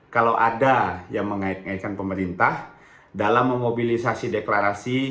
kalau ada yang mengait ngaitkan pemerintah dalam memobilisasi deklarasi